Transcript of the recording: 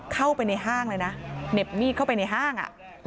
เข้าไปในห้างเลยนะเหน็บมีดเข้าไปในห้าง